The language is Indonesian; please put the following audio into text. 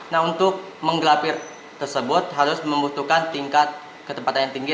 nah untuk menggrafir tersebut harus membutuhkan tingkat ketepatan yang tinggi